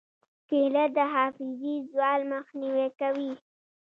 کېله د حافظې زوال مخنیوی کوي.